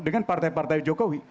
dengan partai partai jokowi